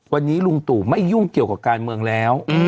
วันนี้ลุงตู่ไม่ยุ่งเกี่ยวกับการเมืองแล้ว